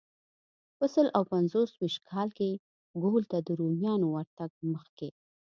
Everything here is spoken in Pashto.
په سل او پنځه ویشت کال کې ګول ته د رومیانو ورتګ مخکې.